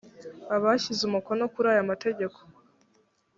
abashyize umukono kuri aya mategeko